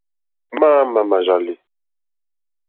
Máámà mà rzàlì.